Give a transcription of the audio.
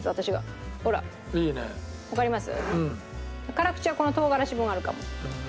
辛口はこの唐辛子分あるかも。